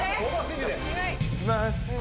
いきます。